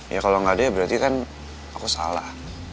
ya kalau gak ada berarti kan aku salah